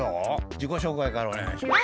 じこしょうかいからおねがいします。